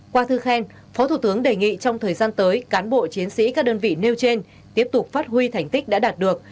qua thư khen phó thủ tướng đề nghị trong thời gian tới cán bộ chiến sĩ các đơn vị nêu trên tiếp tục phát huy thành tích đã đạt được